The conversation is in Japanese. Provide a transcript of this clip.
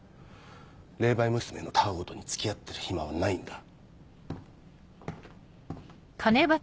霊媒娘のたわ言に付き合ってる暇はないんだ。